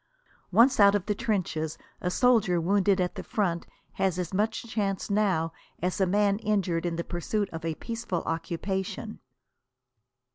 Once out of the trenches a soldier wounded at the front has as much chance now as a man injured in the pursuit of a peaceful occupation.